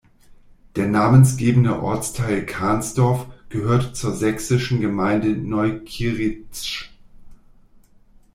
Der namensgebende Ortsteil Kahnsdorf gehört zur sächsischen Gemeinde Neukieritzsch.